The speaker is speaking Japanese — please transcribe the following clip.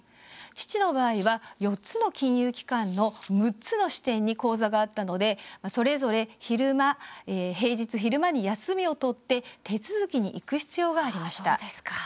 父の場合は、４つの金融機関の６つの支店に口座があったのでそれぞれ昼間、平日昼間に休みを取って手続きに行く必要がありました。